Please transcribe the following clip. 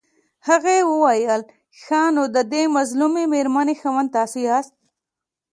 هغې وويل ښه نو ددې مظلومې مېرمنې خاوند تاسو ياست.